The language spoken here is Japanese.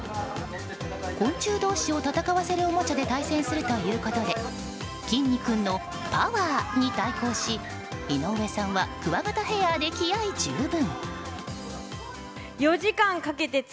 昆虫同士を戦わせるおもちゃで対戦するということできんに君のパワー！で対抗し井上さんはクワガタヘアで気合十分。